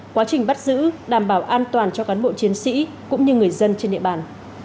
quá trình bắt giữ đảm bảo an toàn cho cán bộ chiến sĩ cũng như người dân trên địa bàn